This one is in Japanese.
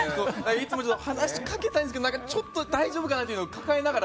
いつも話しかけたいんですけどちょっと大丈夫かなっていうのを抱えながら。